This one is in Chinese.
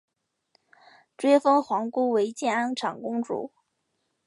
追封皇姑为建安长公主。